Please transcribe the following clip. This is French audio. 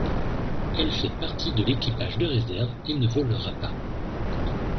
Elle fait partie de l'équipage de réserve et ne volera pas.